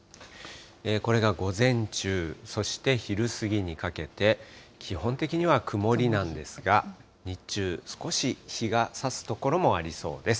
これが午前中、そして昼過ぎにかけて、基本的には曇りなんですが、日中、少し日がさす所もありそうです。